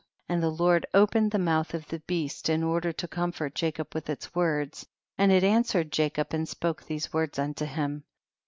43. And the Lord opened the mouth of the beast in order to com fort Jacob with its words, and it an swered Jacob and spoke these words unto him.